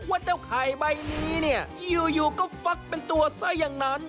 ว่าเจ้าไข่ใบนี้เนี่ยอยู่ก็ฟักเป็นตัวซะอย่างนั้น